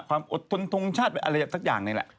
ความอดทนทงชาติไปอะไรสักอย่างนี่แหละ